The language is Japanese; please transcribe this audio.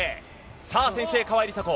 さあ、先制、川井梨紗子。